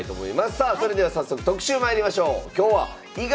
さあそれでは早速特集まいりましょう。